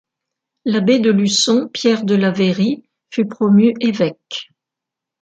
L'abbé de Luçon, Pierre de La Veyrie, fut promu évêque.